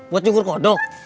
buat nyukur kodok